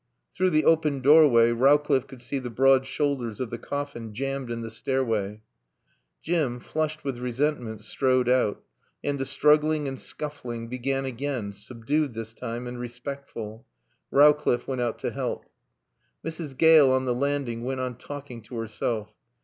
Through the open doorway Rowcliffe could see the broad shoulders of the coffin jammed in the stairway. Jim, flushed with resentment, strode out; and the struggling and scuffling began again, subdued, this time, and respectful. Rowcliffe went out to help. Mrs. Gale on the landing went on talking to herself.